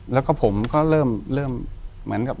อยู่ที่แม่ศรีวิรัยิลครับ